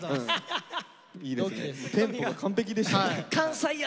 テンポが完璧でしたね。